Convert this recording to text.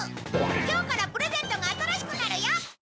今日からプレゼントが新しくなるよ！